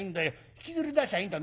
引きずり出しゃいいんだ。